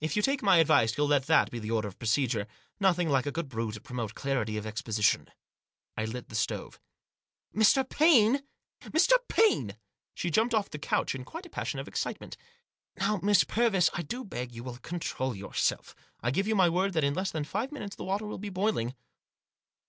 If you take my advice you'll let that be the order of procedure. Nothing like a good brew to promote clarity of ex position." I lit the stove. " Mr. Paine ! Mr. Paine !" She jumped off the couch in quite a passion of excitement. " Now, Miss Purvis, I do beg you will control your 13* Digitized by 196 THE JOSS. self. I give you my word that in less than five minutes the water will be boiling."